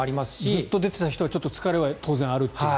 ずっと出てた人は疲れは当然あるという。